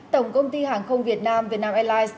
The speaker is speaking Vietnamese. tổng công ty hàng không việt nam vietnam airlines